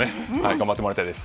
頑張ってもらいたいです。